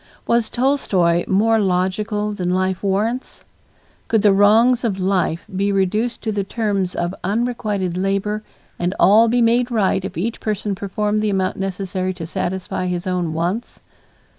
Was Tolstoy more logical than life warrants? Could the wrongs of life be reduced to the terms of unrequited labor and all be made right if each person performed the amount necessary to satisfy his own wants?